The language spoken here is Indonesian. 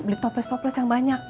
beli toples toples yang banyak